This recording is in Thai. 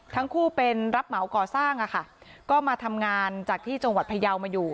ทั้งคู่เป็นรับเหมาก่อสร้างอะค่ะก็มาทำงานจากที่จังหวัดพยาวมาอยู่